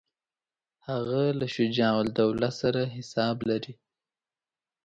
هغه له شجاع الدوله سره حساب لري.